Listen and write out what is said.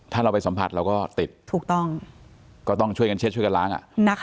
ถ้าเราไปสัมผัสเราก็ติดถูกต้องก็ต้องช่วยกันเช็ดช่วยกันล้าง